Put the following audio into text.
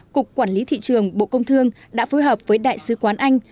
cục quản lý thị trường bộ công thương đã phối hợp với đại sứ quán anh